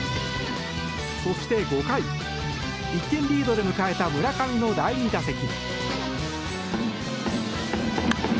そして、５回１点リードで迎えた村上の第２打席。